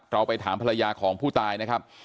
ไปถามภรรยาของผู้ตายนะครับ